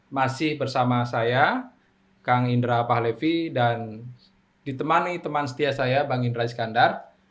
masih bersama saya kang indra pahlevi dan ditemani teman setia saya bang indra iskandar